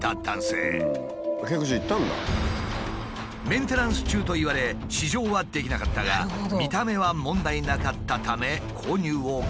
メンテナンス中と言われ試乗はできなかったが見た目は問題なかったため購入を決意。